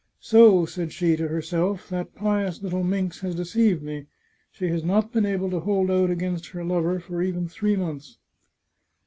" So," said she to herself, " that pious little minx has deceived me ! She has not been able to hold out against her lover for even three months."